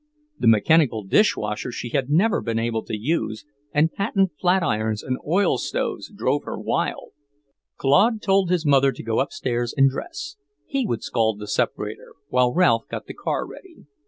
The mechanical dish washer she had never been able to use, and patent flat irons and oil stoves drove her wild. Claude told his mother to go upstairs and dress; he would scald the separator while Ralph got the car ready.